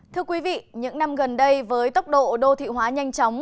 thưa quý vị những năm gần đây với tốc độ đô thị hóa nhanh chóng